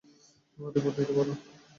মা, রিমোট দিতে বল।